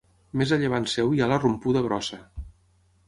Més a llevant seu hi ha la Rompuda Grossa.